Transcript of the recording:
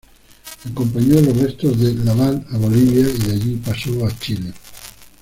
Acompañó los restos de Lavalle a Bolivia, y de allí pasó a Chile.